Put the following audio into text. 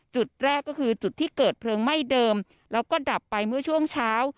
จุดแรกก็คือจุดที่เกิดเพลิงไหม้เดิมแล้วก็ดับไปเมื่อช่วงเช้า